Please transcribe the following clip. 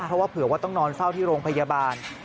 เพราะว่าเผื่อว่าต้องนอนเฝ้าที่โรงพยาบาล